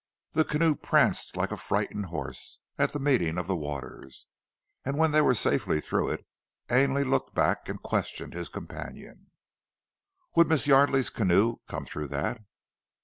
The canoe pranced like a frightened horse at the meeting of the waters, and when they were safely through it, Ainley looked back and questioned his companion. "Would Miss Yardely's canoe come through that?"